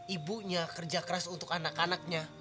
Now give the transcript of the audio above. ibunya kerja keras untuk anak anaknya